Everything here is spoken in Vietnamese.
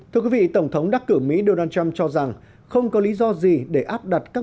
thưa quý vị tổng thống đắc cử mỹ donald trump cho rằng không có lý do gì để áp đặt các